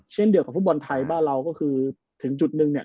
เช่นเดียวกับฟุตบอลไทยบ้านเราก็คือถึงจุดนึงเนี่ย